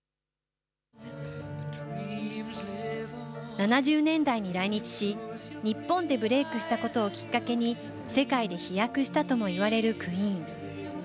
７０年代に来日し、日本でブレークしたことをきっかけに、世界で飛躍したともいわれるクイーン。